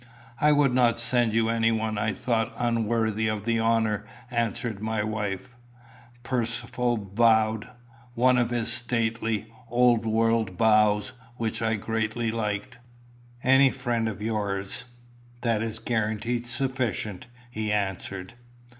"I would not send you anyone I thought unworthy of the honour," answered my wife. Percivale bowed one of his stately, old world bows, which I greatly liked. "Any friend of yours that is guarantee sufficient," he answered.